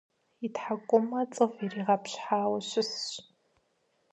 И тхьэкӀумэ цӀыв иригъэпщхьауэ щысщ.